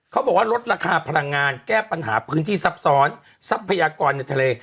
เขาบอกว่าลดราคาพลังงานแก้ปัญหาพื้นที่ซับซ้อนทรัพยากรในทะเล